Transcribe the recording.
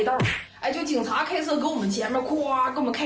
อยากจะจะใช้ชีวิตแบบเธอ